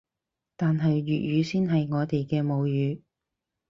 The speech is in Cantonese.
但係粵語先係我哋嘅母語